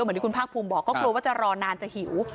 เหมือนที่คุณภาคภูมิบอกก็กลัวว่าจะรอนานจะหิว